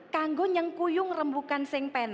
kami ingin menggunakan rembukan yang penting